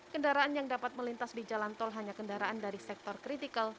kendaraan yang dapat melintas di jalan tol hanya kendaraan dari sektor kritikal